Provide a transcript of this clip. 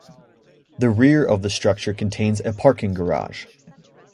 The rear of the structure contains a parking garage.